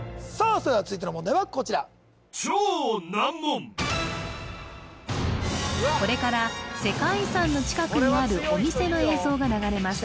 それでは続いての問題はこちらこれから世界遺産の近くにあるお店の映像が流れます